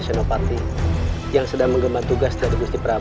senopati yang sedang mengembang tugas dari gusti pramu